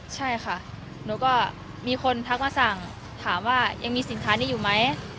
ใช่ค่ะหนูก็มีคนทักมาสั่งถามว่ายังมีสินค้านี้อยู่ไหม